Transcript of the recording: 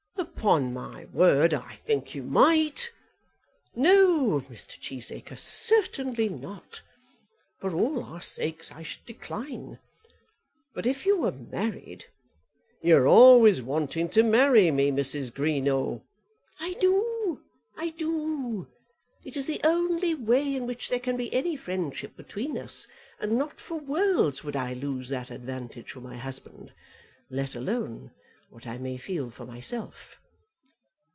"Upon my word, I think you might." "No, Mr. Cheesacre; certainly not. For all our sakes, I should decline. But if you were married " "You are always wanting to marry me, Mrs. Greenow." "I do, I do. It is the only way in which there can be any friendship between us, and not for worlds would I lose that advantage for my husband, let alone what I may feel for myself."